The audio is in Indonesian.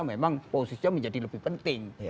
memang posisinya menjadi lebih penting